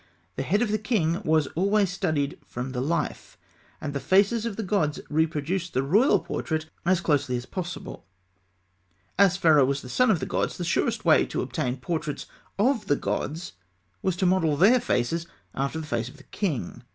The head of the king was always studied from the life, and the faces of the gods reproduced the royal portrait as closely as possible. As Pharaoh was the son of the gods, the surest way to obtain portraits of the gods was to model their faces after the face of the king.